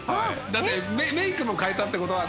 だってメイクも変えたって事は。